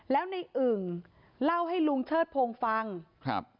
แล้วในอึ่งเล่าให้ลุงเชิดพงศ์ฟังครับ